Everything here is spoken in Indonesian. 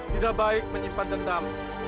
tidak baik menyimpan dendam